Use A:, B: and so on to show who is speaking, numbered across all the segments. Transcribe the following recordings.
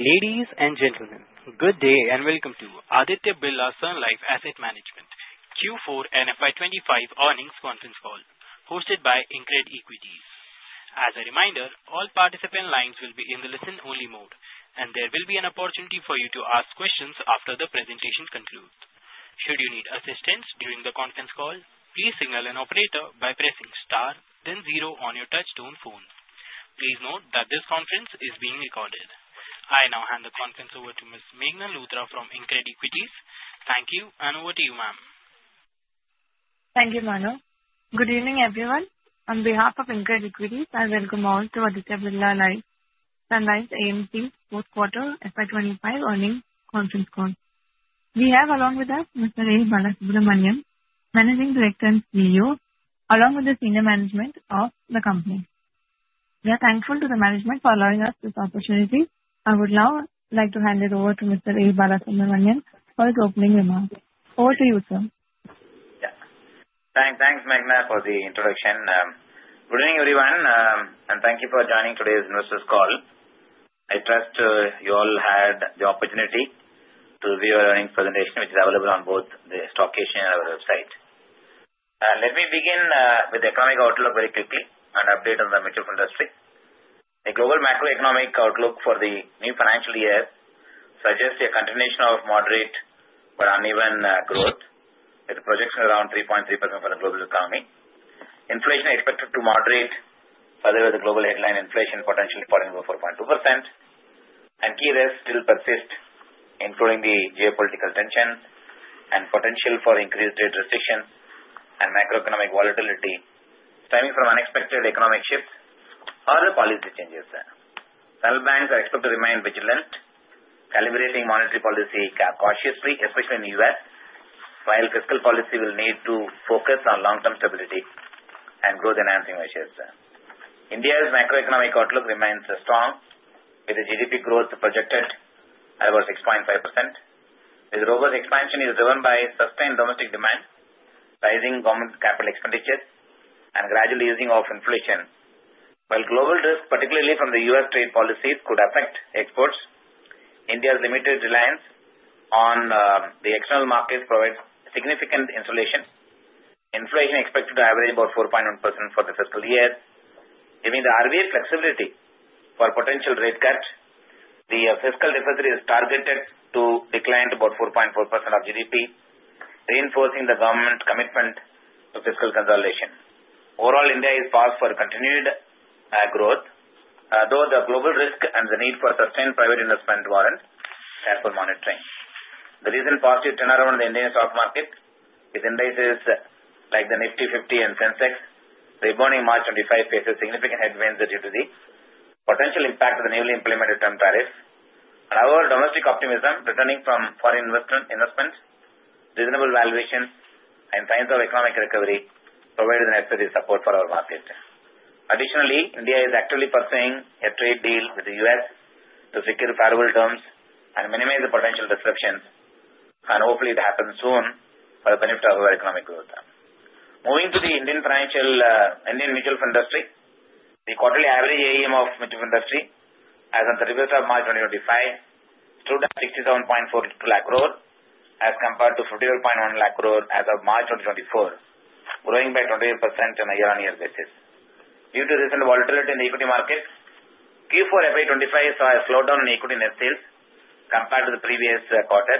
A: Ladies and gentlemen, good day and welcome to Aditya Birla Sun Life AMC Q4 and FY2025 earnings conference call, hosted by InCred Equities. As a reminder, all participant lines will be in the listen-only mode, and there will be an opportunity for you to ask questions after the presentation concludes. Should you need assistance during the conference call, please signal an operator by pressing star, then zero on your touch-tone phone. Please note that this conference is being recorded. I now hand the conference over to Ms. Meghna Luthra from InCred Equities. Thank you, and over to you, ma'am.
B: Thank you, Manu. Good evening, everyone. On behalf of InCred Equities, I welcome all to Aditya Birla Sun Life AMC's fourth quarter FY25 earnings conference call. We have, along with us, Mr. A. Balasubramanian, Managing Director and CEO, along with the senior management of the company. We are thankful to the management for allowing us this opportunity. I would now like to hand it over to Mr. A. Balasubramanian for his opening remarks. Over to you, sir.
C: Thanks, Meghna, for the introduction. Good evening, everyone, and thank you for joining today's investors' call. I trust you all had the opportunity to view our earnings presentation, which is available on both the stock case and our website. Let me begin with the economic outlook very quickly and update on the mutual fund industry. The global macroeconomic outlook for the new financial year suggests a continuation of moderate but uneven growth, with projections around 3.3% for the global economy. Inflation is expected to moderate further, with the global headline inflation potentially falling below 4.2%. Key risks still persist, including the geopolitical tensions and potential for increased trade restrictions and macroeconomic volatility stemming from unexpected economic shifts or policy changes. Central banks are expected to remain vigilant, calibrating monetary policy cautiously, especially in the U.S., while fiscal policy will need to focus on long-term stability and growth-enhancing measures. India's macroeconomic outlook remains strong, with GDP growth projected at about 6.5%. The robust expansion is driven by sustained domestic demand, rising government capital expenditures, and gradual easing of inflation. While global risks, particularly from the U.S. trade policies, could affect exports, India's limited reliance on the external markets provides significant insulation. Inflation is expected to average about 4.1% for the fiscal year. Given the RBI flexibility for potential rate cuts, the fiscal deficit is targeted to decline to about 4.4% of GDP, reinforcing the government's commitment to fiscal consolidation. Overall, India is poised for continued growth, though the global risk and the need for sustained private investment warrants are for monitoring. The recent positive turnaround in the Indian stock market, with indices like the Nifty 50 and Sensex rebounding March 25, faces significant headwinds due to the potential impact of the newly implemented Trump tariffs. However, domestic optimism returning from foreign investment, reasonable valuation, and signs of economic recovery provide the necessary support for our market. Additionally, India is actively pursuing a trade deal with the U.S. to secure favorable terms and minimize the potential disruptions, and hopefully it happens soon for the benefit of our economic growth. Moving to the Indian financial mutual fund industry, the quarterly average AUM of mutual fund industry as of March 2025 stood at 67.42 lakh crore as compared to 51.1 lakh crore as of March 2024, growing by 28% on a year-on-year basis. Due to recent volatility in the equity markets, Q4 FY25 saw a slowdown in equity net sales compared to the previous quarter.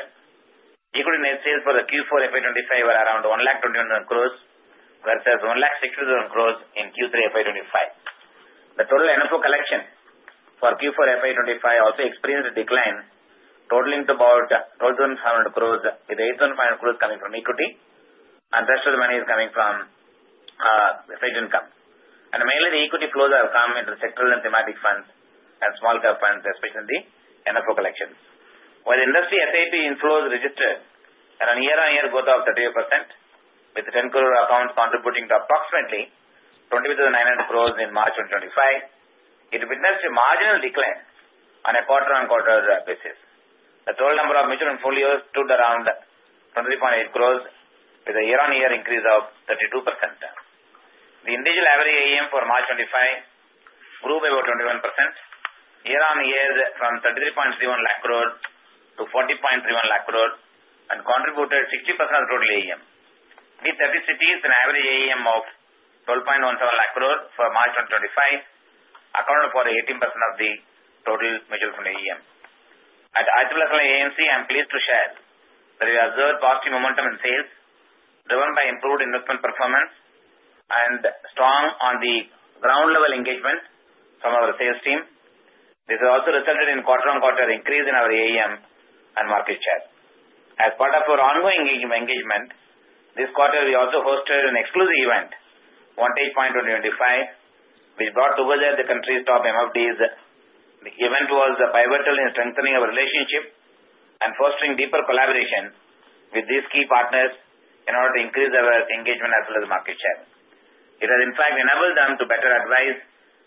C: Equity net sales for Q4 FY25 were around 1,221 crore versus 1,621 crore in Q3 FY25. The total NFO collection for Q4 FY25 also experienced a decline, totaling to about 12,500 crore, with 8,500 crore coming from equity and the rest of the money coming from fixed income. Mainly, the equity flows have come into the sectoral and thematic funds and small-cap funds, especially the NFO collections. While industry SIP inflows registered at a year-on-year growth of 38%, with the 10 crore accounts contributing to approximately 22,900 crore in March 2025, it witnessed a marginal decline on a quarter-on-quarter basis. The total number of mutual fund folios stood around 23.8 crore, with a year-on-year increase of 32%. The individual average AUM for March 2025 grew by about 21% year-on-year from 33.31 lakh crore to 40.31 lakh crore, and contributed 60% of the total AUM. The B30 cities and average AUM of 12.17 lakh crore for March 2025 accounted for 18% of the total mutual fund AUM. At Aditya Birla Sun Life AMC, I'm pleased to share that we observed positive momentum in sales, driven by improved investment performance and strong on-the-ground level engagement from our sales team. This also resulted in quarter-on-quarter increase in our AUM and market share. As part of our ongoing engagement, this quarter, we also hosted an exclusive event, Vantage Point 2025, which brought together the country's top MFDs. The event was pivotal in strengthening our relationship and fostering deeper collaboration with these key partners in order to increase our engagement as well as market share. It has, in fact, enabled them to better advise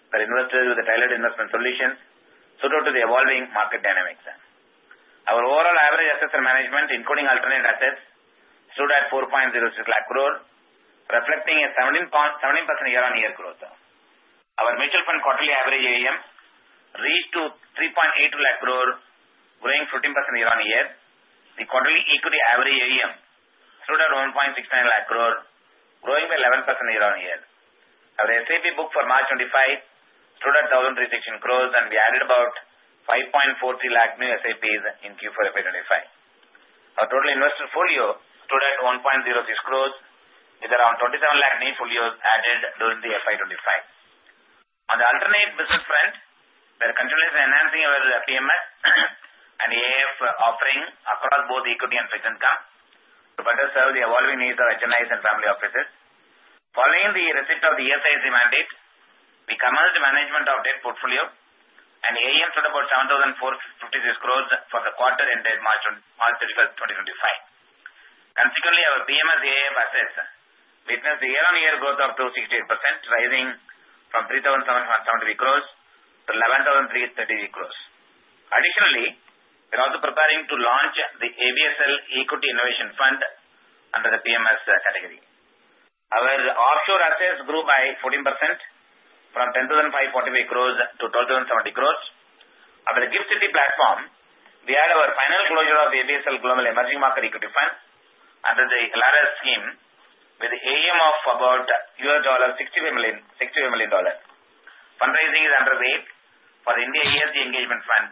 C: their investors with the tailored investment solutions suited to the evolving market dynamics. Our overall average assets under management, including alternate assets, stood at 4.06 lakh crore, reflecting a 17% year-on-year growth. Our mutual fund quarterly average AUM reached 3.82 lakh crore, growing 15% year-on-year. The quarterly equity average AUM stood at INR 1.69 lakh crore, growing by 11% year-on-year. Our SIP book for March 2025 stood at 1,036 crore, and we added about 5.43 lakh new SIPs in Q4 FY25. Our total investor folio stood at 1.06 crore, with around 27 lakh new folios added during FY25. On the alternate business front, we are continuously enhancing our PMS and AIF offering across both equity and fixed income to better serve the evolving needs of HNIs and family offices. Following the receipt of the ESIC mandate, we commenced management of the debt portfolio, and AUM stood at about 7,456 crore for the quarter ended March 31, 2025. Consequently, our PMS AIF assets witnessed a year-on-year growth of 268%, rising from 3,773 crore to 11,333 crore. Additionally, we're also preparing to launch the ABSL Equity Innovation Fund under the PMS category. Our offshore assets grew by 14%, from 10,545 crore to 12,070 crore. Under the GIFT City platform, we had our final closure of the ABSL Global Emerging Market Equity Fund under the LRS scheme, with AUM of about $65 million. Fundraising is underway for the India ESG Engagement Fund,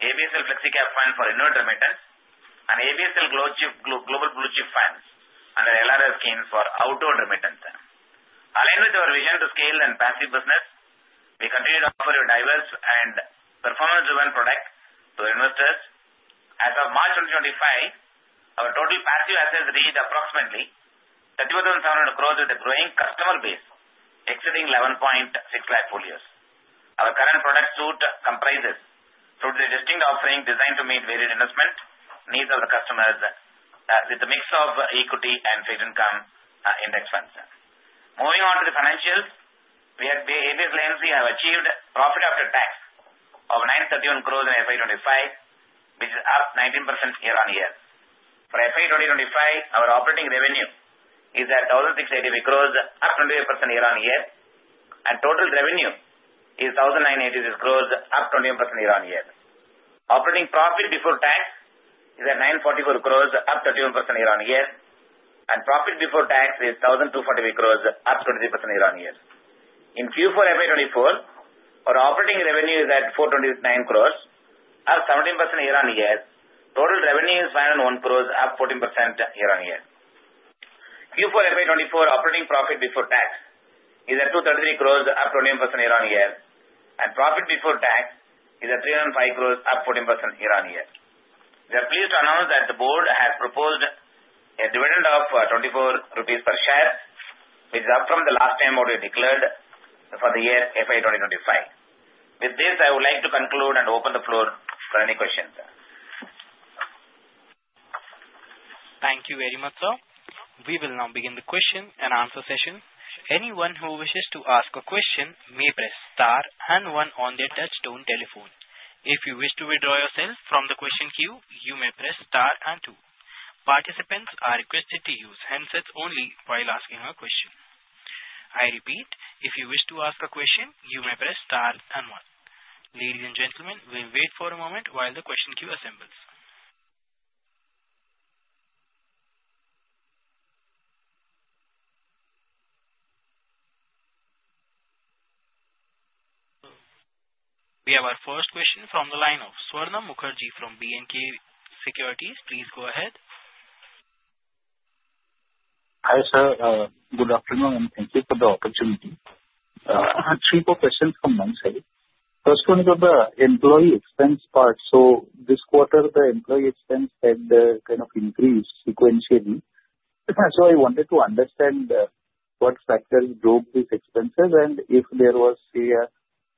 C: ABSL Flexi Cap Fund for inward remittance, and ABSL Global Blue Chip Fund under LRS scheme for outward remittance. Aligned with our vision to scale and passive business, we continue to offer a diverse and performance-driven product to our investors. As of March 2025, our total passive assets reached approximately 34,700 crore, with a growing customer base exceeding 11.6 lakh folios. Our current product suite comprises a distinct offering designed to meet varied investment needs of the customers, with a mix of equity and fixed income index funds. Moving on to the financials, we at ABSL AMC have achieved profit after tax of 931 crore in FY2025, which is up 19% year-on-year. For FY2025, our operating revenue is at 1,680 crore, up 28% year-on-year, and total revenue is 1,986 crore, up 21% year-on-year. Operating profit before tax is at 944 crore, up 31% year-on-year, and profit before tax is 1,240 crore, up 23% year-on-year. In Q4 FY2025, our operating revenue is at 429 crore, up 17% year-on-year. Total revenue is 501 crore, up 14% year-on-year. Q4 FY2025 operating profit before tax is at 233 crore, up 21% year-on-year, and profit before tax is at 305 crore, up 14% year-on-year. We are pleased to announce that the board has proposed a dividend of 24 rupees per share, which is up from the last time what we declared for the year FY2025. With this, I would like to conclude and open the floor for any questions.
A: Thank you very much, sir. We will now begin the question and answer session. Anyone who wishes to ask a question may press star and one on their touch-tone telephone. If you wish to withdraw yourself from the question queue, you may press star and two. Participants are requested to use handsets only while asking a question. I repeat, if you wish to ask a question, you may press star and one. Ladies and gentlemen, we'll wait for a moment while the question queue assembles. We have our first question from the line of Swarnam Mukherjee from BNP Paribas Securities. Please go ahead.
D: Hi sir, good afternoon, and thank you for the opportunity. I have three questions from my side. First, one is on the employee expense part. This quarter, the employee expense had kind of increased sequentially. I wanted to understand what factors drove these expenses and if there was a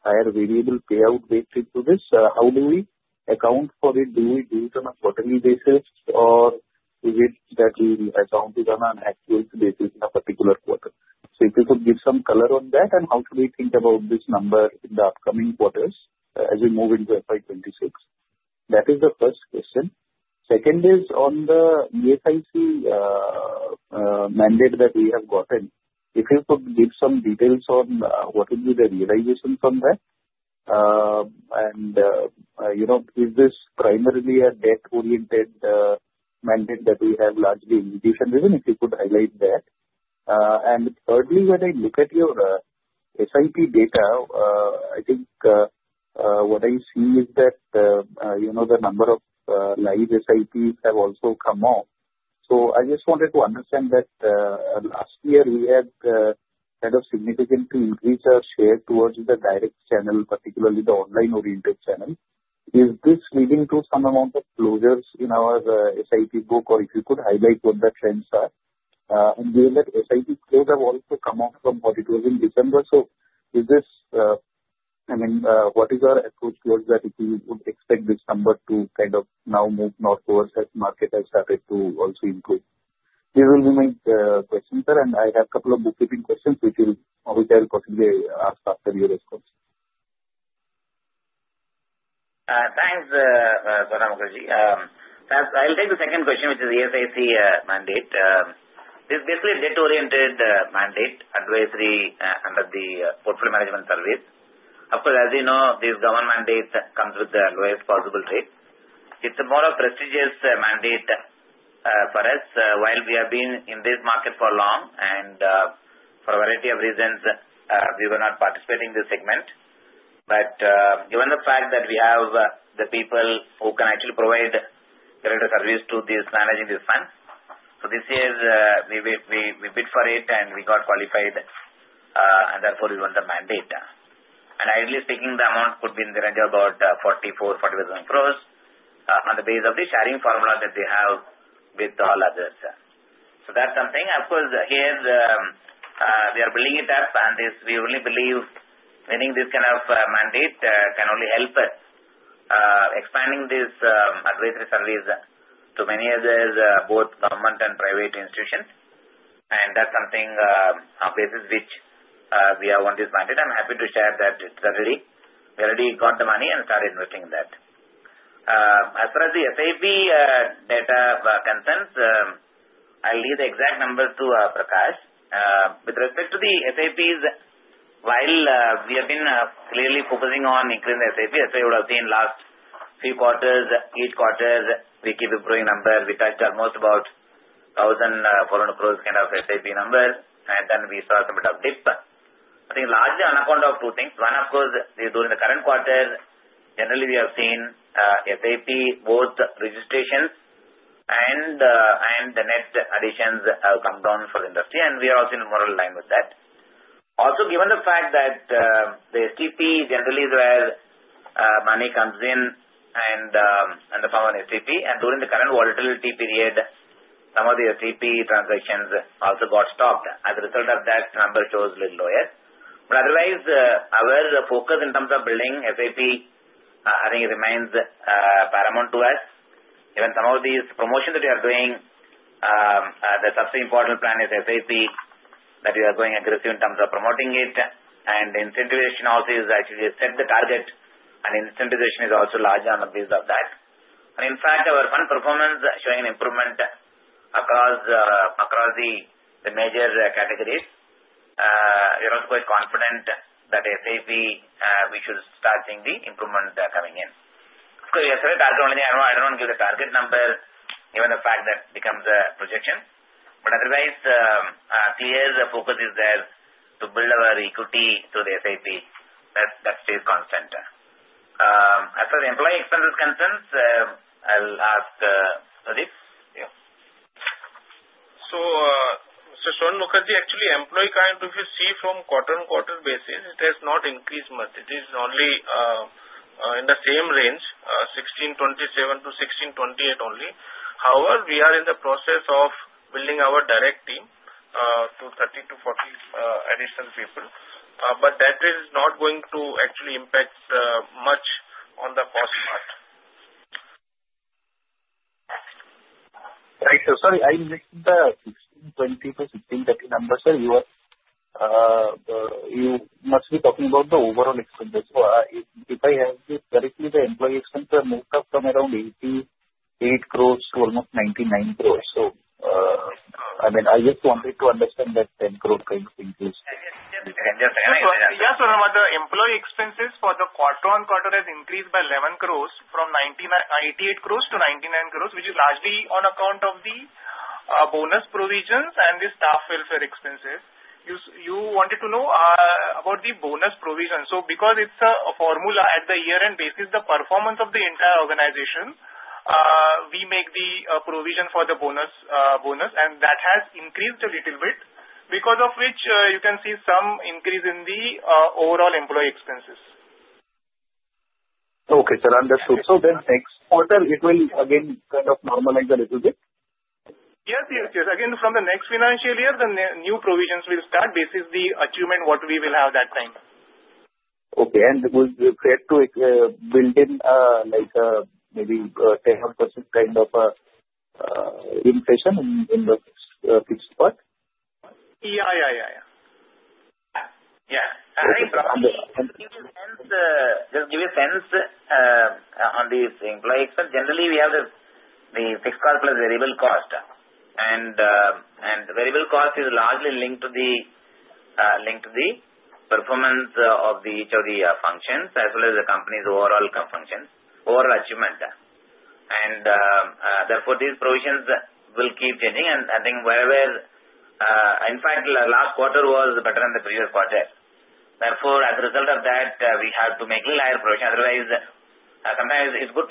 D: higher variable payout weighted to this. How do we account for it? Do we do it on a quarterly basis, or is it that we account it on an actual basis in a particular quarter? If you could give some color on that, and how should we think about this number in the upcoming quarters as we move into FY 2026? That is the first question. Second is on the ESIC mandate that we have gotten, if you could give some details on what would be the realization from that, and is this primarily a debt-oriented mandate that we have largely in mutual funds? If you could highlight that. Thirdly, when I look at your SIP data, I think what I see is that the number of live SIPs have also come off. I just wanted to understand that last year we had kind of significantly increased our share towards the direct channel, particularly the online-oriented channel. Is this leading to some amount of closures in our SIP book, or if you could highlight what the trends are? Given that SIP flows have also come off from what it was in December, is this, I mean, what is our approach towards that if we would expect this number to kind of now move northwards as market has started to also improve? These will be my questions, sir, and I have a couple of bookkeeping questions which I'll possibly ask after your response.
C: Thanks, Swarnam Mukherjee. I'll take the second question, which is the ESIC mandate. This is basically a debt-oriented mandate advisory under the portfolio management service. Of course, as you know, these government mandates come with the lowest possible rate. It's a more prestigious mandate for us. While we have been in this market for long and for a variety of reasons, we were not participating in this segment. Given the fact that we have the people who can actually provide the right service to these managing these funds, this year we bid for it and we got qualified, and therefore we won the mandate. Ideally speaking, the amount could be in the range of 44 crore-45 crore on the basis of the sharing formula that we have with all others. That's something. Of course, here we are building it up, and we really believe winning this kind of mandate can only help us expanding this advisory service to many others, both government and private institutions. That is something on the basis which we are on this mandate. I'm happy to share that it's already got the money and started investing in that. As far as the SIP data concerns, I'll leave the exact numbers to Prakash. With respect to the SIPs, while we have been clearly focusing on increasing the SIP, as you would have seen last few quarters, each quarter, we keep improving numbers. We touched almost about 1,400 crore kind of SIP number, and then we saw some bit of dip. I think largely on account of two things. One, of course, during the current quarter, generally we have seen SIP both registrations and the net additions have come down for the industry, and we are also in more aligned with that. Also, given the fact that the STP generally is where money comes in and the power on STP, and during the current volatility period, some of the STP transactions also got stopped. As a result of that, the number shows a little lower. Otherwise, our focus in terms of building SIP, I think it remains paramount to us. Even some of these promotions that we are doing, the subsidy portal plan is SIP that we are going aggressive in terms of promoting it, and the incentivization also is actually set the target, and the incentivization is also large on the basis of that. In fact, our fund performance is showing an improvement across the major categories. We are also quite confident that SIP, we should start seeing the improvement coming in. Of course, yesterday's background only, I do not want to give the target number, given the fact that it becomes a projection. Otherwise, clear focus is there to build our equity through the SIP. That stays constant. As for the employee expenses concerns, I'll ask adit.
E: Mr. Swarnam Mukherjee, actually, employee current we see from quarter-on-quarter basis, it has not increased much. It is only in the same range, 1,627 to 1,628 only. However, we are in the process of building our direct team to 30-40 additional people, but that is not going to actually impact much on the cost part.
F: Thank you. Sorry, I missed the 1,620 to 1,630 numbers, sir. You must be talking about the overall expenditure. If I have this correctly, the employee expenses have moved up from around 88 crore to almost 99 crore. I mean, I just wanted to understand that 10 crore kind of increase.
C: Yes, Swarnam Mukherjee, the employee expenses for the quarter-on-quarter has increased by 11 crore from 88 crore to 99 crore, which is largely on account of the bonus provisions and the staff welfare expenses. You wanted to know about the bonus provision. Because it is a formula at the year-end basis, the performance of the entire organization, we make the provision for the bonus, and that has increased a little bit, because of which you can see some increase in the overall employee expenses.
F: Okay, sir, understood. Then next quarter, it will again kind of normalize a little bit?
C: Yes, yes, yes. Again, from the next financial year, the new provisions will start. This is the achievement what we will have that time.
F: Okay. Would you say to build in maybe 10% kind of inflation in the fixed part?
C: Yeah, I think it helps just give you a sense on these things. Like sir, generally we have the fixed cost plus variable cost, and variable cost is largely linked to the performance of each of the functions, as well as the company's overall functions, overall achievement. Therefore, these provisions will keep changing, and I think wherever, in fact, last quarter was better than the previous quarter. Therefore, as a result of that, we have to make a little higher provision. Otherwise, sometimes it's a good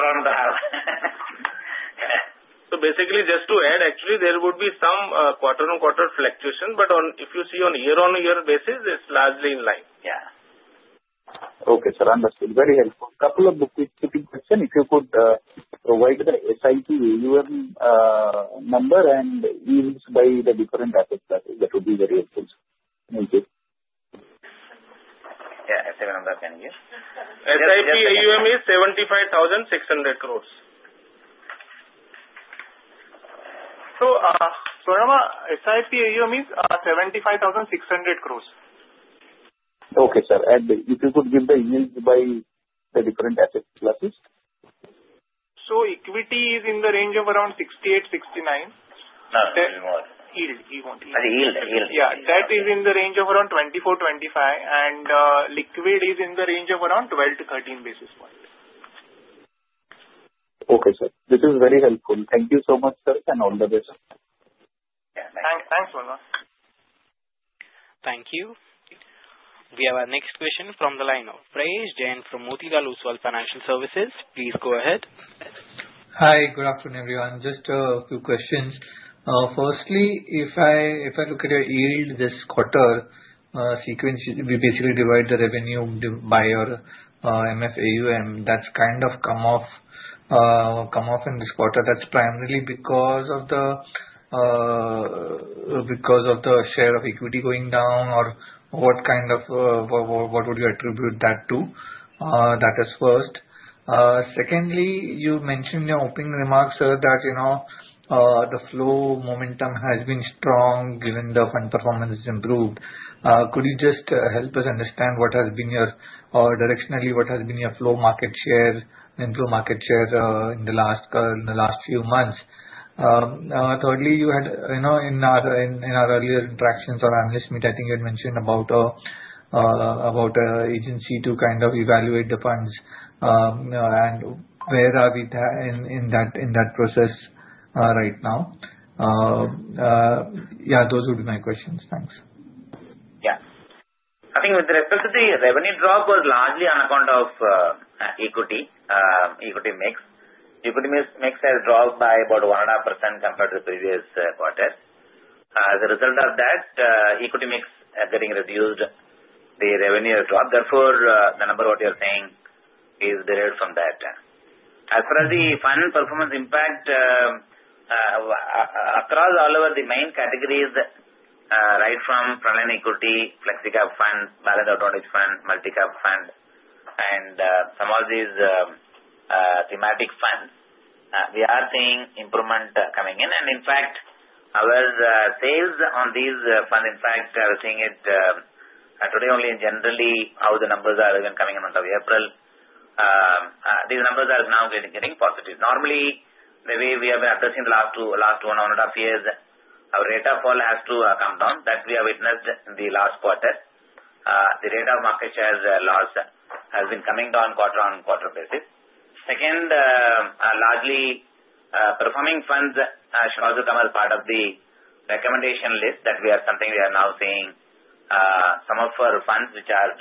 C: problem to have.
E: Basically, just to add, actually, there would be some quarter-on-quarter fluctuation, but if you see on year-on-year basis, it's largely in line.
G: Yeah. Okay, sir, understood. Very helpful. A couple of bookkeeping questions. If you could provide the SIP AUM number and years by the different asset classes, that would be very helpful. Thank you.
C: Yeah, SIP AUM is INR 75,600 crore.
E: Swarnam Mukherjee, SIP AUM is 75,600 crore.
F: Okay, sir. If you could give the years by the different asset classes?
E: Equity is in the range of around 68-69.
C: No, you won't.
G: Yield, you won't.
C: Yield.
E: Yeah, that is in the range of around 24-25, and liquid is in the range of around 12-13 basis points.
F: Okay, sir. This is very helpful. Thank you so much, sir, and all the best.
C: Yeah, thanks.
E: Thanks, Swarnam Mukherjee.
A: Thank you. We have our next question from the line of Prayesh Jain from Motilal Oswal Financial Services. Please go ahead.
H: Hi, good afternoon, everyone. Just a few questions. Firstly, if I look at your yield this quarter, we basically divide the revenue by your MFAUM. That's kind of come off in this quarter. That's primarily because of the share of equity going down or what would you attribute that to? That is first. Secondly, you mentioned in your opening remarks, sir, that the flow momentum has been strong given the fund performance has improved. Could you just help us understand what has been your or directionally, what has been your flow market share, improve market share in the last few months? Thirdly, you had in our earlier interactions on analyst meet, I think you had mentioned about an agency to kind of evaluate the funds and where are we in that process right now? Yeah, those would be my questions. Thanks.
C: Yeah. I think with respect to the revenue drop, it was largely on account of equity mix. Equity mix has dropped by about 1.5% compared to the previous quarter. As a result of that, equity mix getting reduced, the revenue has dropped. Therefore, the number what you're saying is derived from that. As far as the final performance impact across all over the main categories, right from frontline equity, flexi-cap fund, balanced advantage fund, multi-cap fund, and some of these thematic funds, we are seeing improvement coming in. In fact, our sales on these funds, in fact, we're seeing it today only generally how the numbers are even coming in month of April. These numbers are now getting positive. Normally, the way we have been addressing the last one and a half years, our rate of fall has to come down. That we have witnessed in the last quarter. The rate of market share loss has been coming down quarter-on-quarter basis. Second, largely performing funds should also come as part of the recommendation list that we are something we are now seeing. Some of our funds which are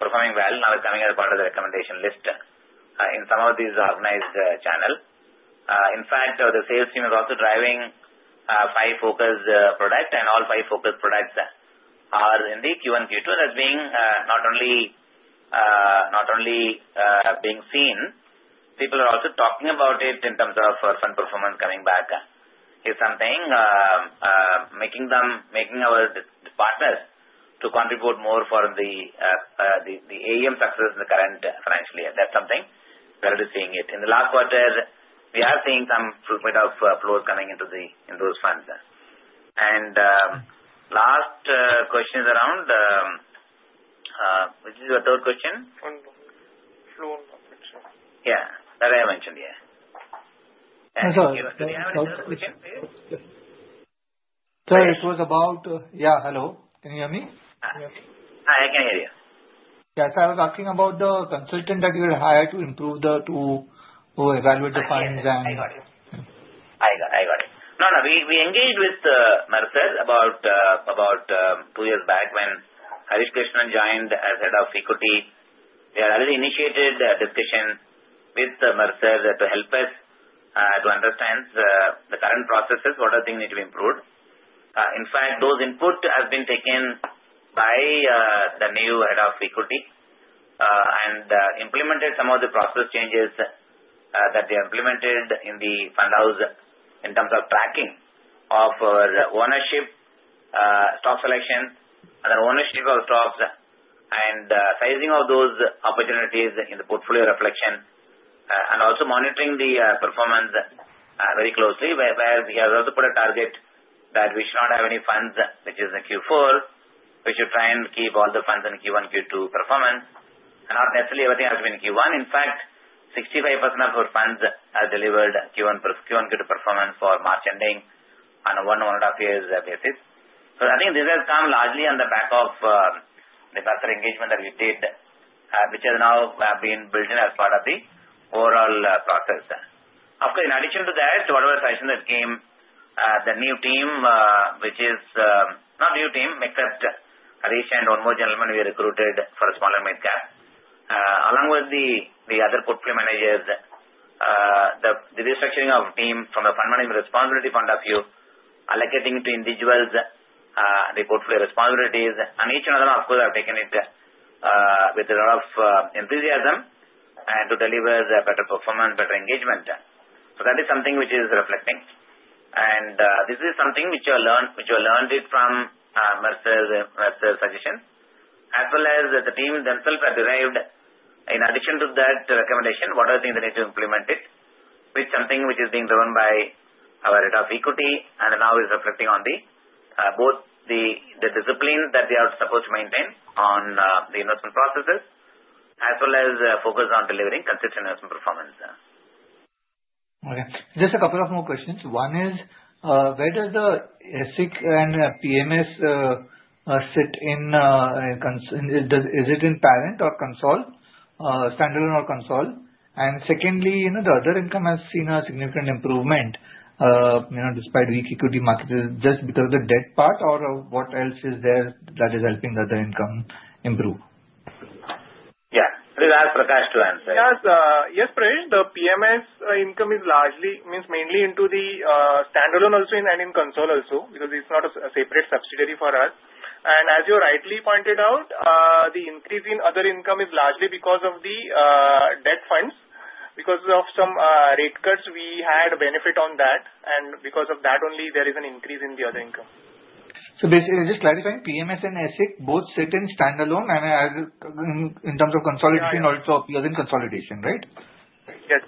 C: performing well now are coming as part of the recommendation list in some of these organized channels. In fact, the sales team is also driving five focus products, and all five focus products are in the Q1, Q2, and that is being not only being seen. People are also talking about it in terms of fund performance coming back is something making our partners to contribute more for the AUM success in the current financial year. That is something we are already seeing it. In the last quarter, we are seeing some bit of flows coming into those funds. Last question is around, which is your third question.
E: Fund flow and market share.
C: Yeah, that I have mentioned, yeah.
H: Sorry, could you have another question? Sir, it was about, yeah, hello. Can you hear me?
C: Hi, I can hear you.
E: Yes, I was asking about the consultant that you had hired to improve the to evaluate the funds.
C: I got you. I got you. No, no, we engaged with Mercer about two years back when Harish Krishnan joined as Head of Equity. We had already initiated a discussion with Mercer to help us to understand the current processes, what are the things need to be improved. In fact, those inputs have been taken by the new Head of Equity and implemented some of the process changes that they implemented in the fund house in terms of tracking of ownership, stock selection, and ownership of stocks, and sizing of those opportunities in the portfolio reflection, and also monitoring the performance very closely. We have also put a target that we should not have any funds which is in Q4, we should try and keep all the funds in Q1, Q2 performance. Not necessarily everything has been Q1. In fact, 65% of our funds are delivered Q1, Q2 performance for March ending on a one and a half years basis. I think this has come largely on the back of the corporate engagement that we did, which has now been built in as part of the overall process. Of course, in addition to that, whatever sizing that came, the new team, which is not new team, except Harish and one more gentleman we recruited for a smaller mid-cap, along with the other portfolio managers, the restructuring of team from a fund management responsibility point of view, allocating to individuals the portfolio responsibilities, and each and another, of course, have taken it with a lot of enthusiasm to deliver better performance, better engagement. That is something which is reflecting. This is something which you learned from Mercer's suggestion, as well as the team themselves have derived. In addition to that recommendation, what are the things they need to implement is something which is being driven by our Head of Equity and now is reflecting on both the discipline that they are supposed to maintain on the investment processes, as well as focus on delivering consistent investment performance.
H: Okay. Just a couple of more questions. One is, where does the ESIC and PMS sit in? Is it in parent or console, standalone or console? Secondly, the other income has seen a significant improvement despite weak equity markets, just because of the debt part or what else is there that is helping the other income improve?
C: Yeah, that is our precise answer.
E: Yes, Prayesh, the PMS income is largely, means mainly, into the standalone also and in console also because it's not a separate subsidiary for us. As you rightly pointed out, the increase in other income is largely because of the debt funds. Because of some rate cuts, we had benefit on that, and because of that only, there is an increase in the other income.
H: Basically, just clarifying, PMS and ESIC both sit in standalone and in terms of consolidation also appears in consolidation, right?
E: Yes.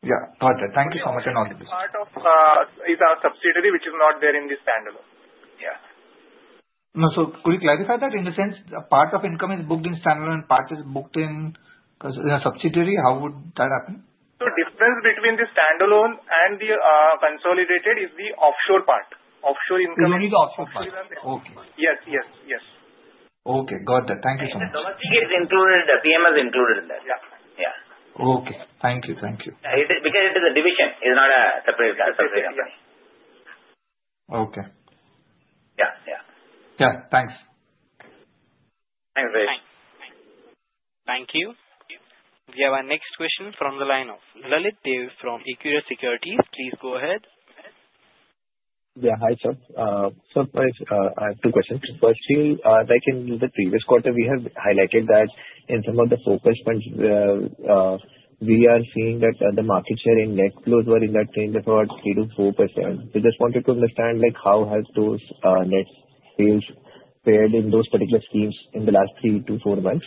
H: Yeah. Got it. Thank you so much and all the best.
E: Part of it is our subsidiary which is not there in the standalone. Yeah.
H: No, could you clarify that in the sense part of income is booked in standalone and part is booked in subsidiary? How would that happen?
E: The difference between the standalone and the consolidated is the offshore part. Offshore income.
G: You need the offshore part.
E: Yes, yes.
H: Okay. Got it. Thank you so much.
C: The subsidiary is included, the PMS is included in that. Yeah.
H: Okay. Thank you. Thank you.
C: Because it is a division, it's not a separate company.
H: Okay.
C: Yeah, yeah.
I: Yeah. Thanks.
C: Thanks, Prayesh.
A: Thank you. We have our next question from the line of Lalit Dev from Equirus Securities. Please go ahead.
J: Yeah. Hi, sir. Sir, Prayesh, I have two questions. Firstly, like in the previous quarter, we have highlighted that in some of the focus funds, we are seeing that the market share in net flows were in that range of about 3-4%. We just wanted to understand how has those net sales fared in those particular schemes in the last three to four months.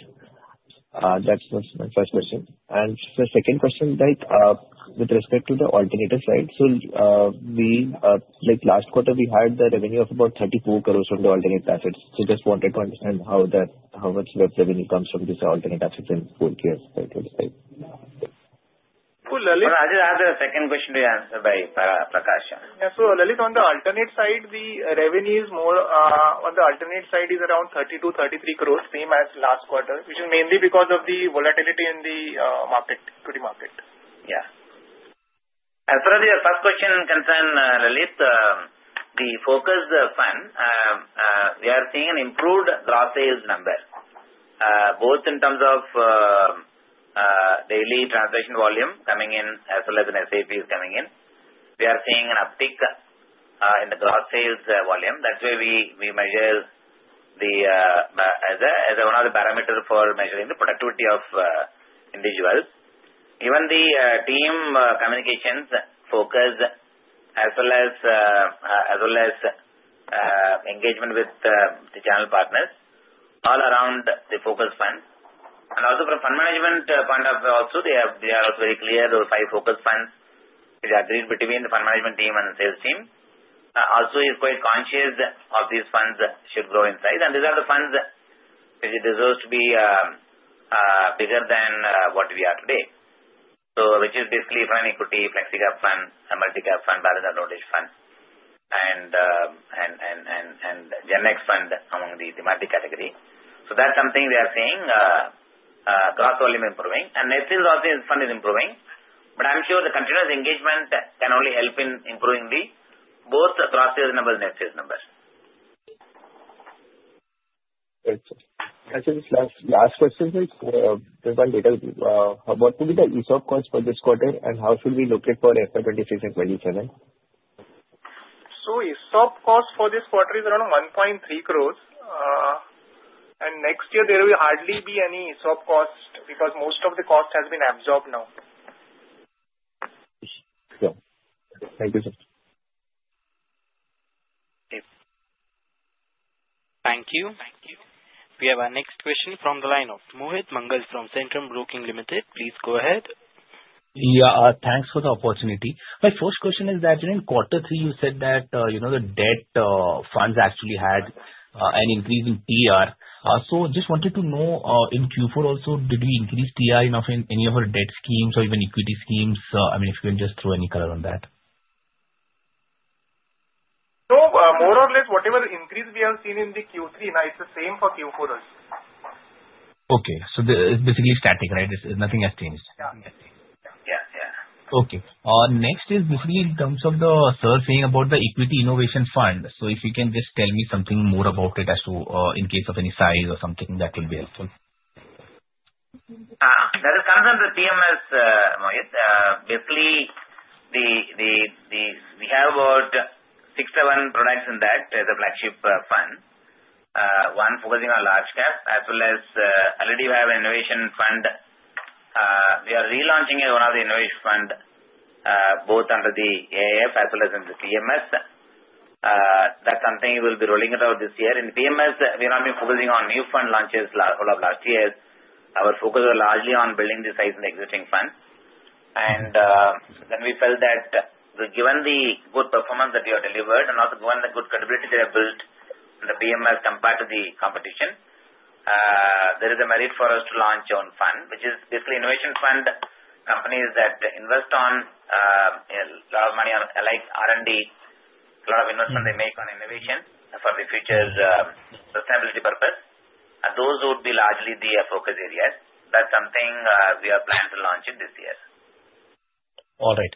J: That was my first question. The second question, with respect to the alternative side, last quarter, we had the revenue of about 34 crore from the alternate assets. Just wanted to understand how much revenue comes from these alternate assets in full years.
E: So Lalit.
J: I just have a second question to answer by Prakash.
E: Yeah. Lalit, on the alternate side, the revenue is more on the alternate side, is around 32-33 crore, same as last quarter, which is mainly because of the volatility in the equity market.
C: Yeah. As for the first question concerning Lalit, the focus fund, we are seeing an improved gross sales number, both in terms of daily transaction volume coming in as well as SIPs coming in. We are seeing an uptick in the gross sales volume. That is where we measure that as one of the parameters for measuring the productivity of individuals. Even the team communications focus as well as engagement with the channel partners all around the focus fund. Also, from fund management point of view, they are also very clear, those five focus funds which are agreed between the fund management team and the sales team. Also, he is quite conscious of these funds should grow in size. These are the funds which deserve to be bigger than what we are today, which is basically front equity, flexi-cap fund, multi-cap fund, balanced advantage fund, and GenX fund among the thematic category. That is something we are seeing gross volume improving. Net sales also fund is improving, but I am sure the continuous engagement can only help in improving both the gross sales number and the net sales number.
J: Great. Actually, last question is, based on data, what would be the ESOP cost for this quarter and how should we look at for FY26 and FY27?
E: ESOP cost for this quarter is around 1.3 crore. Next year, there will hardly be any ESOP cost because most of the cost has been absorbed now.
J: Sure. Thank you, sir.
A: Thank you. We have our next question from the line of Mohit Mangal from Centrum Broking Limited. Please go ahead.
K: Yeah. Thanks for the opportunity. My first question is that in quarter three, you said that the debt funds actually had an increase in TER. Just wanted to know, in Q4 also, did we increase TER enough in any of our debt schemes or even equity schemes? I mean, if you can just throw any color on that.
E: No, more or less, whatever increase we have seen in the Q3, it's the same for Q4 also.
K: Okay. It is basically static, right? Nothing has changed.
E: Yeah.
C: Yeah. Yeah.
K: Okay. Next is basically in terms of the sir saying about the equity innovation fund. If you can just tell me something more about it as to in case of any size or something, that will be helpful.
C: That comes on the PMS, Mohit. Basically, we have about six, seven products in that, the flagship fund, one focusing on large cap, as well as already we have an innovation fund. We are relaunching one of the innovation funds both under the AIF as well as in the PMS. That is something we will be rolling out this year. In the PMS, we have not been focusing on new fund launches all of last year. Our focus was largely on building the size in the existing fund. We felt that given the good performance that we have delivered and also given the good capability that we have built in the PMS compared to the competition, there is a merit for us to launch our own fund, which is basically innovation fund companies that invest a lot of money on like R&D, a lot of investment they make on innovation for the future sustainability purpose. Those would be largely the focus areas. That's something we are planning to launch this year.
K: All right.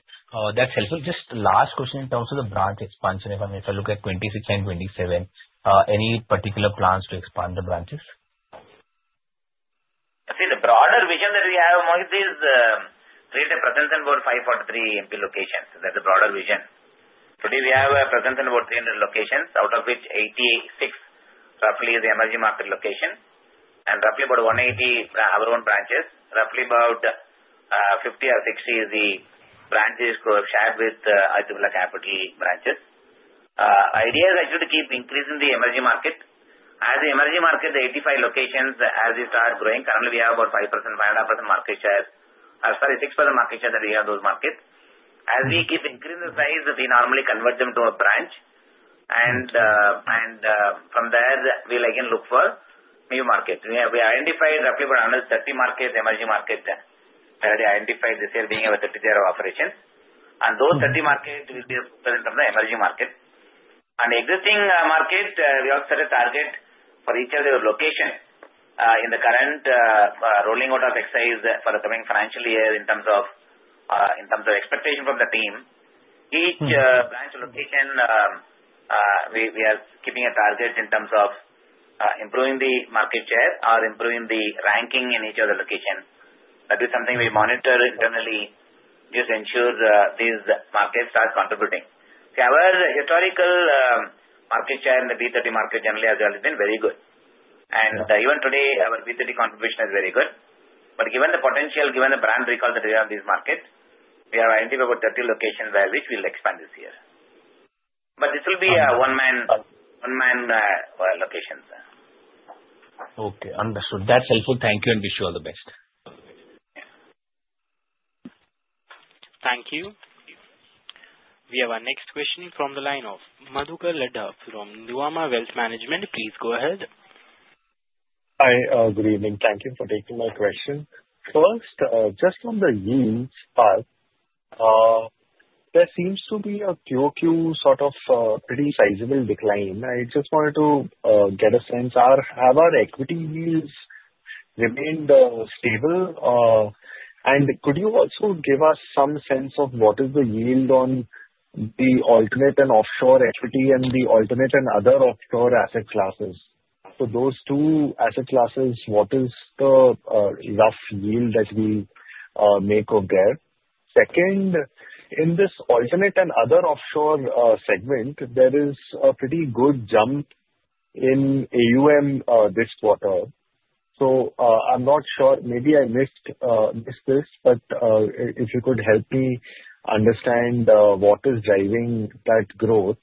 K: That's helpful. Just last question in terms of the branch expansion. If I look at 2026 and 2027, any particular plans to expand the branches?
C: I think the broader vision that we have, Mohit, is create a presence in about 543 locations. That's the broader vision. Today, we have a presence in about 300 locations, out of which 86 roughly is the emerging market location and roughly about 180 are our own branches. Roughly about 50 or 60 is the branches shared with Aditya Birla Capital branches. The idea is actually to keep increasing the emerging market. As the emerging market, the 85 locations, as we start growing, currently we have about 5%, 5.5% market share, sorry, 6% market share that we have in those markets. As we keep increasing the size, we normally convert them to a branch. From there, we will again look for new markets. We identified roughly about 130 markets, emerging markets. We already identified this year being our 30-year operation. Those 30 markets will be present in the emerging market. In existing markets, we also set a target for each of their locations in the current rolling out of exercise for the coming financial year in terms of expectation from the team. Each branch location, we are keeping a target in terms of improving the market share or improving the ranking in each of the locations. That is something we monitor internally just to ensure these markets are contributing. Our historical market share in the B30 market generally has always been very good. Even today, our B30 contribution is very good. Given the potential, given the brand recall that we have in these markets, we have identified about 30 locations by which we will expand this year. This will be one-man locations.
K: Okay. Understood. That's helpful. Thank you and wish you all the best.
C: Yeah.
A: Thank you. We have our next question from the line of Madhuka Laddha from Nuvama Wealth Management. Please go ahead.
L: Hi. Good evening. Thank you for taking my question. First, just on the yields part, there seems to be a QOQ sort of pretty sizable decline. I just wanted to get a sense, have our equity yields remained stable? Could you also give us some sense of what is the yield on the alternate and offshore equity and the alternate and other offshore asset classes? For those two asset classes, what is the rough yield that we make there? Second, in this alternate and other offshore segment, there is a pretty good jump in AUM this quarter. I am not sure, maybe I missed this, but if you could help me understand what is driving that growth.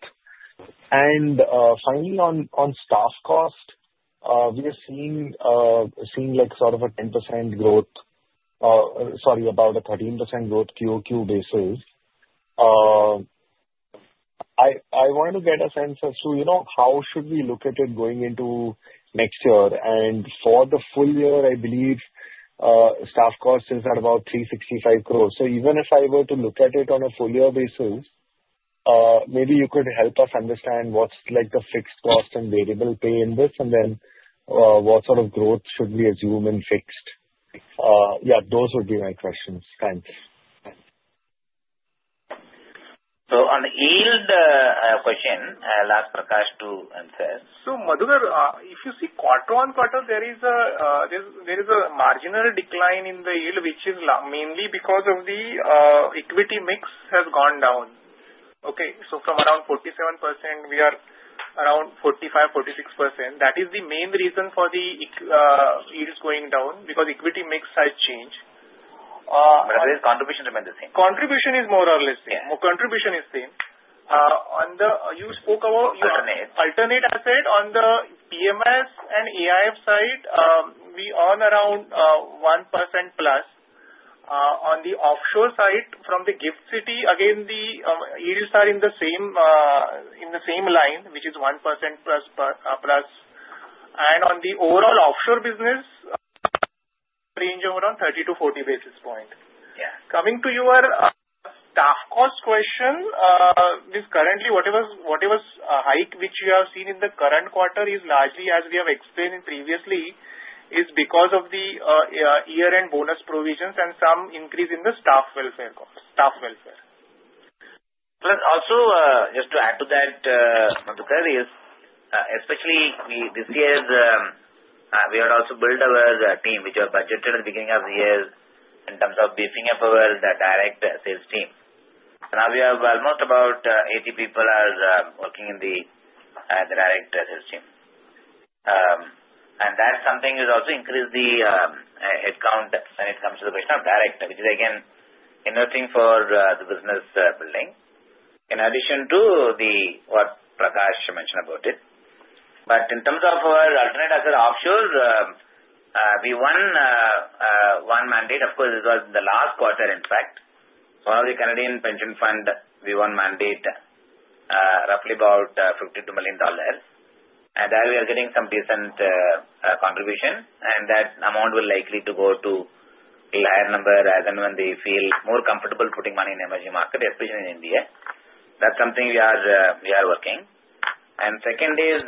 L: Finally, on staff cost, we have seen sort of a 10% growth, sorry, about a 13% growth QOQ basis. I want to get a sense as to how should we look at it going into next year. For the full year, I believe staff cost is at about 365 crore. Even if I were to look at it on a full year basis, maybe you could help us understand what's the fixed cost and variable pay in this, and then what sort of growth should we assume in fixed? Yeah, those would be my questions. Thanks.
C: On yield question, I'll ask Prakash to answer.
E: Madhuka, if you see quarter on quarter, there is a marginal decline in the yield, which is mainly because the equity mix has gone down. Okay. From around 47%, we are around 45-46%. That is the main reason for the yields going down because the equity mix has changed.
C: Otherwise, contribution remained the same.
E: Contribution is more or less the same. Contribution is same. You spoke about.
C: Alternate.
E: Alternate asset. On the PMS and AIF side, we earn around 1% plus. On the offshore side from the GIFT City, again, the yields are in the same line, which is 1% plus. On the overall offshore business, range around 30-40 basis points. Coming to your staff cost question, currently, whatever hike which we have seen in the current quarter is largely, as we have explained previously, because of the year-end bonus provisions and some increase in the staff welfare.
C: Also, just to add to that, Madhuka, especially this year, we have also built our team, which was budgeted at the beginning of the year in terms of beefing up our direct sales team. We have almost about 80 people working in the direct sales team. That also increased the headcount when it comes to the question of direct, which is again interesting for the business building, in addition to what Prakash mentioned about it. In terms of our alternate asset offshore, we won one mandate. This was in the last quarter, in fact. One of the Canadian pension funds, we won mandate roughly about $52 million. There we are getting some decent contribution. That amount will likely go to a higher number as and when they feel more comfortable putting money in emerging market, especially in India. That's something we are working. Second is,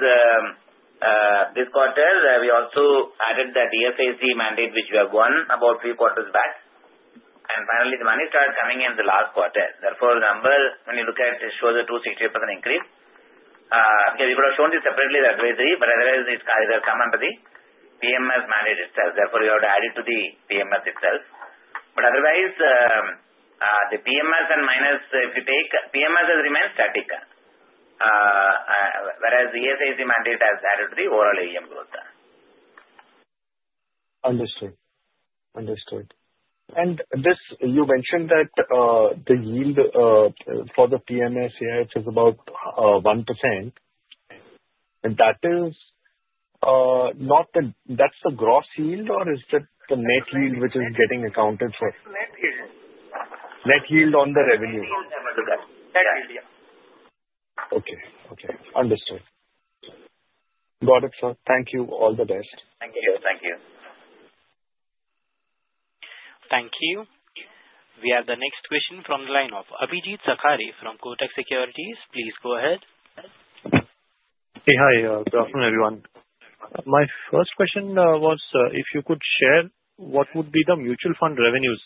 C: this quarter, we also added that ESIC mandate, which we have won about three quarters back. Finally, the money started coming in the last quarter. Therefore, the number, when you look at it, shows a 260% increase. Again, we could have shown this separately in advisory, but otherwise, it has come under the PMS mandate itself. Therefore, we have to add it to the PMS itself. Otherwise, the PMS and minus, if you take PMS, has remained static, whereas the ESIC mandate has added to the overall AUM growth.
L: Understood. Understood. You mentioned that the yield for the PMS, AIF, is about 1%. Is that the gross yield, or is that the net yield which is getting accounted for?
E: Net yield.
L: Net yield on the revenue.
E: Net yield, yeah.
L: Okay. Okay. Understood. Got it, sir. Thank you. All the best.
C: Thank you. Thank you.
A: Thank you. We have the next question from the line of Abhijit Sakari from Kotak Securities. Please go ahead.
M: Hey, hi. Good afternoon, everyone. My first question was if you could share what would be the mutual fund revenues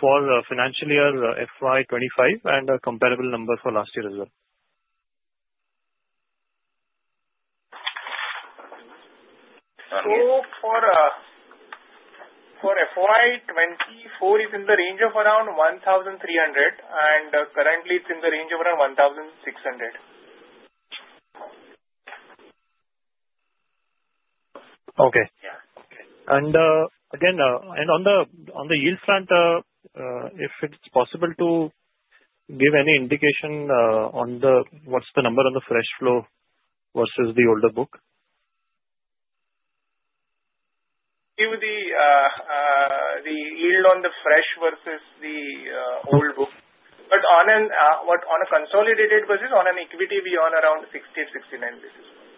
M: for financial year 2025 and a comparable number for last year as well.
E: For FY2024, it's in the range of around 1,300, and currently, it's in the range of around 1,600.
M: Okay. Again, on the yield front, if it's possible to give any indication on what's the number on the fresh flow versus the older book?
E: Give the yield on the fresh versus the old book. On a consolidated versus on an equity, we earn around 60-69 basis points.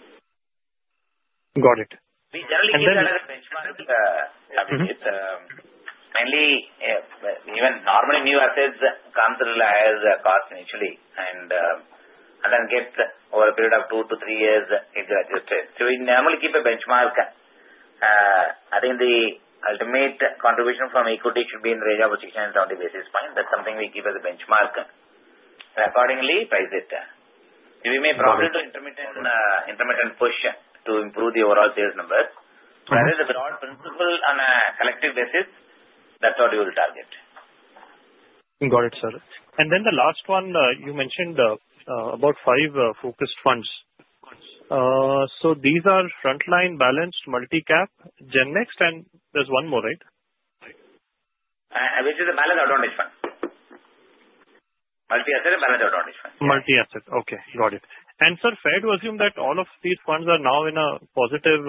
M: Got it.
C: We generally give another benchmark. I mean, it's mainly even normally new assets come through as cost initially and then get over a period of two to three years adjusted. We normally keep a benchmark. I think the ultimate contribution from equity should be in the range of 670 basis points. That's something we keep as a benchmark. Accordingly, price it. We may probably do intermittent push to improve the overall sales numbers. Whereas the broad principle on a collective basis, that's what we will target.
M: Got it, sir. The last one, you mentioned about five focused funds. These are frontline, balanced, multi-cap, GenX, and there is one more, right?
C: Which is a Balanced Advantage Fund. Multi-asset and Balanced Advantage Fund.
M: Multi-asset. Okay. Got it. Sir, fair to assume that all of these funds are now in a positive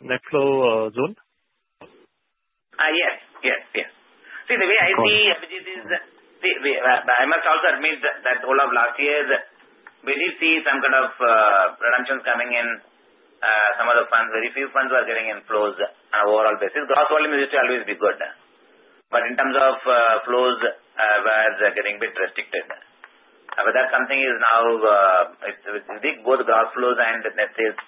M: net flow zone?
C: Yes. Yes. Yes. See, the way I see, Abhijit, is I must also admit that all of last year, when you see some kind of redemptions coming in, some of the funds, very few funds were getting in flows on an overall basis. Gross volume is usually always good. In terms of flows, they are getting a bit restricted. That is something that is now, with both gross flows and net sales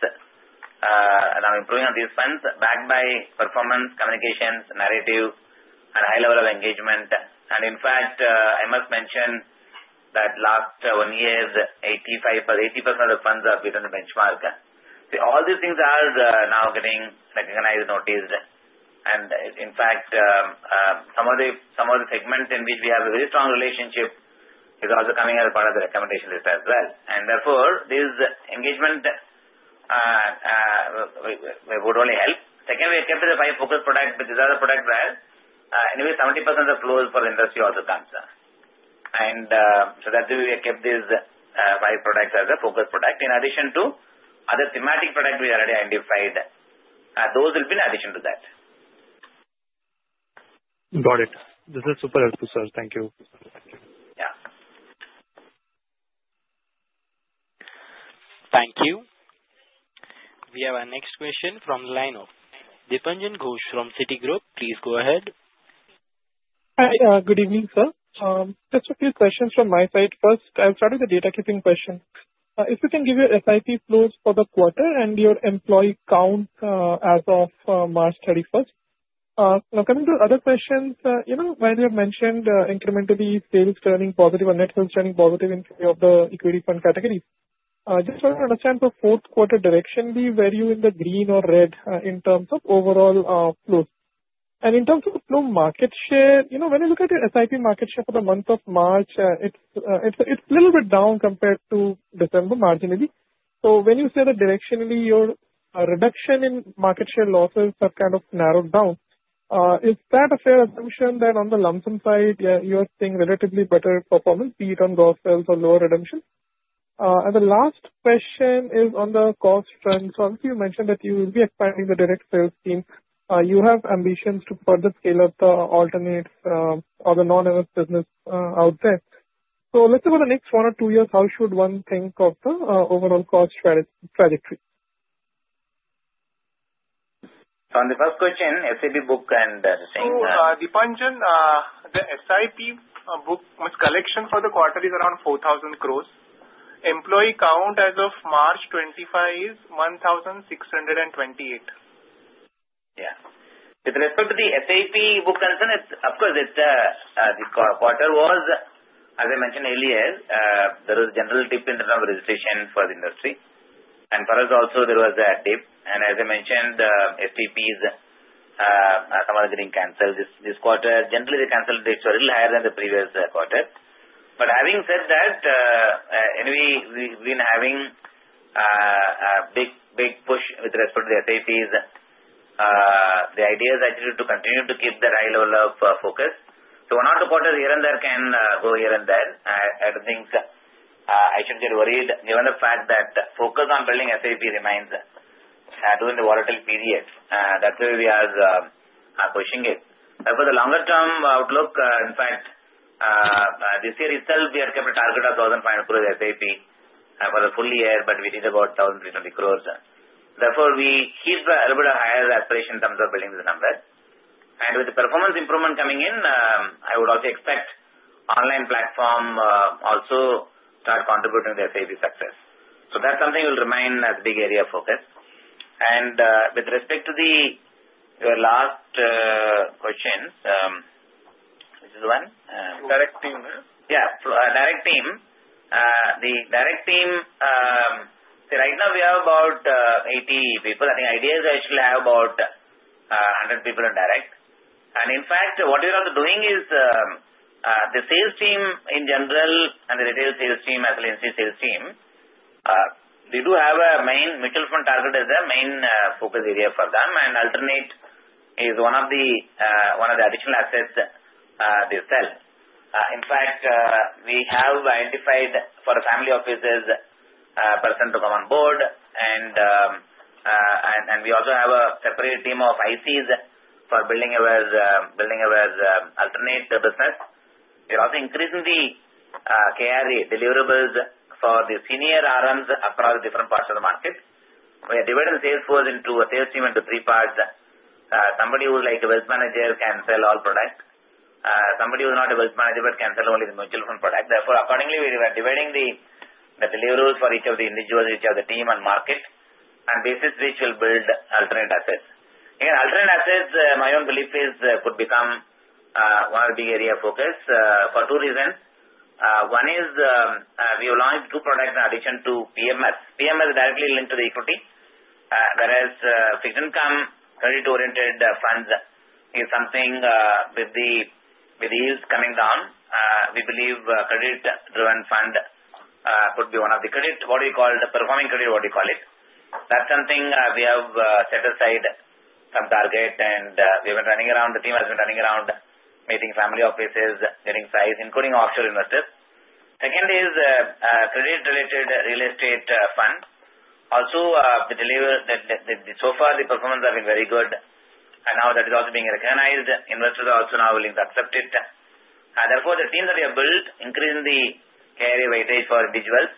C: now improving on these funds backed by performance, communications, narrative, and high level of engagement. In fact, I must mention that last one year, 80% of the funds have been on the benchmark. All these things are now getting recognized, noticed. In fact, some of the segments in which we have a very strong relationship are also coming as part of the recommendation list as well. Therefore, this engagement would only help. Second, we have kept the five focus products, which is other products there. Anyway, 70% of flows for the industry also comes. That is the way we have kept these five products as a focus product in addition to other thematic products we already identified. Those will be in addition to that.
M: Got it. This is super helpful, sir. Thank you.
C: Yeah.
A: Thank you. We have our next question from the line of Dipanjan Ghosh from Citigroup. Please go ahead.
N: Hi. Good evening, sir. Just a few questions from my side. First, I'll start with the data keeping question. If you can give your SIP flows for the quarter and your employee count as of March 31. Now, coming to other questions, while you have mentioned incrementally sales turning positive or net sales turning positive in three of the equity fund categories, just want to understand for fourth quarter directionally, were you in the green or red in terms of overall flows? In terms of the flow market share, when I look at your SIP market share for the month of March, it's a little bit down compared to December marginally. When you say that directionally, your reduction in market share losses have kind of narrowed down, is that a fair assumption that on the lump sum side, you are seeing relatively better performance, be it on gross sales or lower redemption? The last question is on the cost trend. Obviously, you mentioned that you will be expanding the direct sales team. You have ambitions to further scale up the alternates or the non-MS business out there. Let's say for the next one or two years, how should one think of the overall cost trajectory?
C: On the first question, SIP book and the same thing.
E: Dipanjan, the SIP book collection for the quarter is around 4,000 crore. Employee count as of March 25 is 1,628.
C: Yeah. With respect to the SIP book concern, of course, the quarter was, as I mentioned earlier, there was general dip in the number of registrations for the industry. For us also, there was a dip. As I mentioned, the SIPs are somewhat getting canceled this quarter. Generally, the cancel rates were a little higher than the previous quarter. Having said that, anyway, we've been having a big push with respect to the SIPs. The idea is actually to continue to keep that high level of focus. One or two quarters here and there can go here and there. I do not think I should get worried, given the fact that focus on building SIP remains during the volatile period. That is why we are pushing it. For the longer-term outlook, in fact, this year itself, we had kept a target of 1,500 crore SIP for the full year, but we did about 1,320 crore. Therefore, we keep a little bit higher aspiration in terms of building the numbers. With the performance improvement coming in, I would also expect online platform also start contributing to the SIP success. That is something will remain a big area of focus. With respect to the last question, which is the one?
E: Direct team, huh?
C: Yeah. Direct team. The direct team, right now, we have about 80 people. I think ideas actually have about 100 people in direct. In fact, what we are also doing is the sales team in general and the retail sales team as well as the inside sales team, they do have a main mutual fund target as their main focus area for them. Alternate is one of the additional assets they sell. In fact, we have identified for family offices a person to come on board. We also have a separate team of ICs for building our alternate business. We are also increasing the KR deliverables for the senior RMs across different parts of the market. We are dividing the sales force into a sales team into three parts. Somebody who is like a wealth manager can sell all products. Somebody who is not a wealth manager but can sell only the mutual fund product. Therefore, accordingly, we are dividing the deliverables for each of the individuals, each of the team and market on basis which will build alternate assets. Again, alternate assets, my own belief, could become one of the big area of focus for two reasons. One is we will launch two products in addition to PMS. PMS is directly linked to the equity, whereas fixed income credit-oriented funds is something with the yields coming down. We believe credit-driven fund could be one of the credit, what we call the performing credit, what we call it. That's something we have set aside some target, and we have been running around. The team has been running around meeting family offices, getting price, including offshore investors. Second is credit-related real estate fund. Also, so far, the performance has been very good, and now that is also being recognized. Investors are also now willing to accept it. Therefore, the teams that we have built increase the carry weightage for individuals.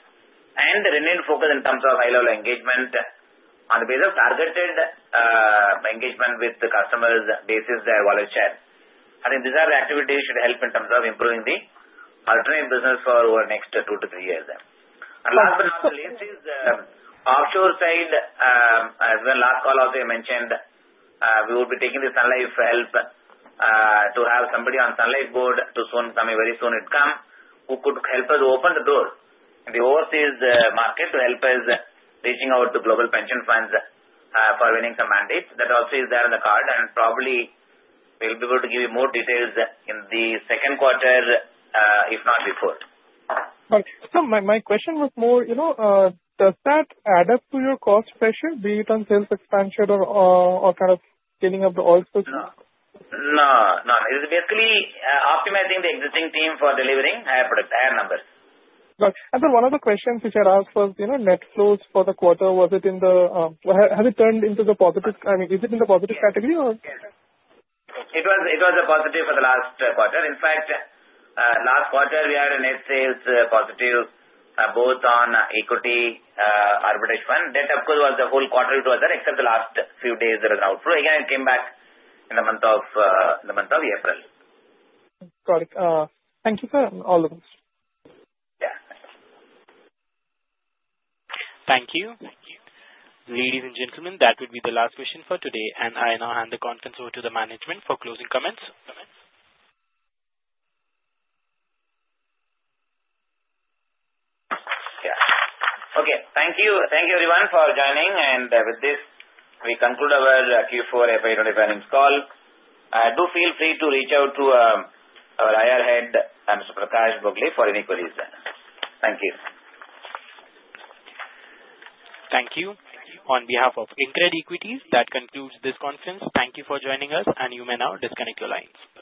C: The remaining focus in terms of high-level engagement is on the basis of targeted engagement with the customers based on their volume share. I think these are the activities that should help in terms of improving the alternate business over the next two to three years. Last but not the least is the offshore side. As I mentioned on the last call, we will be taking Sun Life help to have somebody on the Sun Life board too soon, coming very soon, who could help us open the door in the overseas market to help us reach out to global pension funds for winning some mandates. That also is there in the card. We will probably be able to give you more details in the second quarter, if not before.
N: Right. My question was more, does that add up to your cost pressure, be it on sales expansion or kind of scaling up the all?
C: No. No. No. It is basically optimizing the existing team for delivering higher product, higher numbers.
N: Got it. One of the questions which I'd ask was net flows for the quarter, was it in the, have it turned into the positive? I mean, is it in the positive category or?
C: It was a positive for the last quarter. In fact, last quarter, we had a net sales positive both on equity arbitrage fund. That of course was the whole quarter it was there, except the last few days there was an outflow. Again, it came back in the month of April.
N: Got it. Thank you for all of this.
C: Yeah.
A: Thank you. Ladies and gentlemen, that would be the last question for today. I now hand the conference over to the management for closing comments.
C: Yeah. Okay. Thank you. Thank you, everyone, for joining. With this, we conclude our Q4 FY25 earnings call. Do feel free to reach out to our IR Head, Mr. Prakash Bhogale, for any queries. Thank you.
A: Thank you. On behalf of InCred Equities, that concludes this conference. Thank you for joining us, and you may now disconnect your lines. Bye-bye.